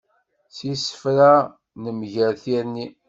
S yisefra nemger tirni.